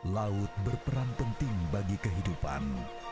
laut berperan penting bagi kehidupan